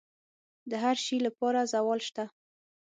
د هر شي لپاره زوال شته،